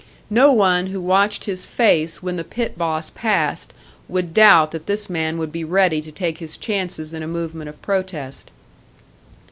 No one who watched his face when the pit boss passed would doubt that this man would be ready to take his chances in a movement of protest.